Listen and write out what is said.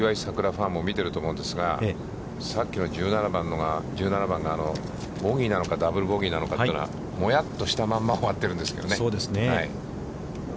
ファンも見ていると思うんですが、さっきの１７番が、ボギーなのか、ダブル・ボギーなのかというのは、もやっとしたまま終わっているんですけどね。